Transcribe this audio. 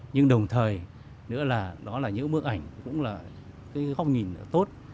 nhưng đồng thời nữa là đó là những bức ảnh cũng là cái không nhìn tốt